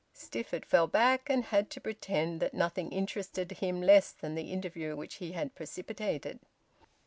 Stifford fell back and had to pretend that nothing interested him less than the interview which he had precipitated.